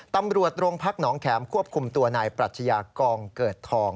ตำรวจโรงพักหนองแข็มควบคุมตัวนายปรัชญากองเกิดทอง